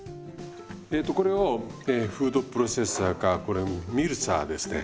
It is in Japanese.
えとこれをフードプロセッサーかこれミルサーですね